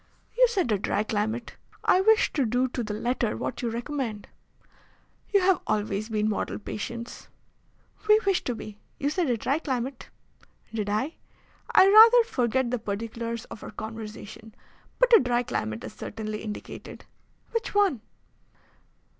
"You said a dry climate. I wish to do to the letter what you recommend." "You have always been model patients." "We wish to be. You said a dry climate." "Did I? I rather forget the particulars of our conversation. But a dry climate is certainly indicated." "Which one?"